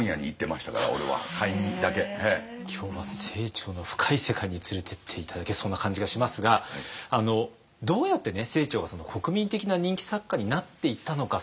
今日は清張の深い世界に連れてって頂けそうな感じがしますがどうやってね清張が国民的な人気作家になっていったのか。